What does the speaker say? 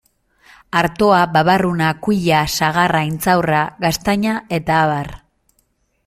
Artoa, babarruna, kuia, sagarra, intxaurra, gaztaina eta abar.